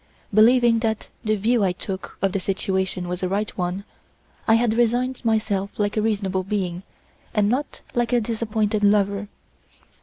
Believing that the view I took of the situation was a right one, I had resigned myself like a reasonable being, and not like a disappointed lover.